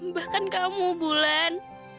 bahkan kamu bulan